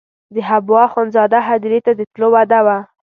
د حبوا اخندزاده هدیرې ته د تلو وعده وه.